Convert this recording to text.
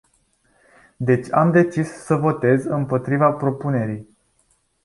Deci am decis să votez împotriva propunerii.